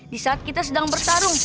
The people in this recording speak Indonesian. di saat kita sedang bertarung